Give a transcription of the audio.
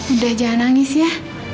udah jangan nangis ya